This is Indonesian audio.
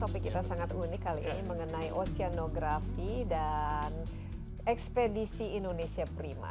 topik kita sangat unik kali ini mengenai oceanografi dan ekspedisi indonesia prima